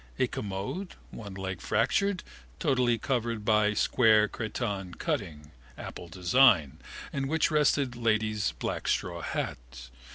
A commode, one leg fractured, totally covered by square cretonne cutting, apple design, on which rested a lady's black straw hat.